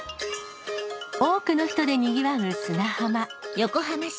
多くの人でにぎわう砂浜。